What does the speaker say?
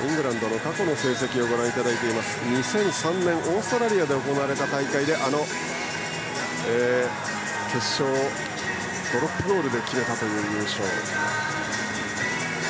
イングランドの過去の成績２００３年オーストラリアで行われた大会の決勝はドロップゴールで決めたという優勝。